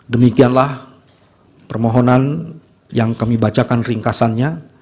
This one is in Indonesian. demikianlah permohonan yang kami bacakan ringkasannya